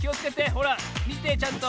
ほらみてちゃんと。